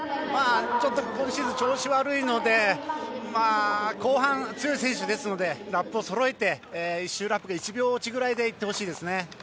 今シーズンちょっと調子が悪いので後半強い選手ですのでラップをそろえて１周ラップで１秒落ちぐらいで行ってほしいですね。